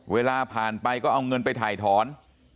เวลาผ่านไปก็เอาเงินไปถ่ายถอน